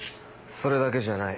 それだけじゃない。